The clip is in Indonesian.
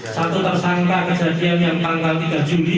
satu tersangka kejadian yang tanggal tiga juli